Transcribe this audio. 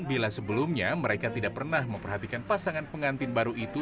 bila sebelumnya mereka tidak pernah memperhatikan pasangan pengantin baru itu